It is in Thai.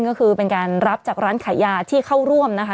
ก็คือเป็นการรับจากร้านขายยาที่เข้าร่วมนะคะ